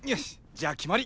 じゃあ決まり。